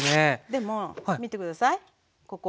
でも見て下さいここ。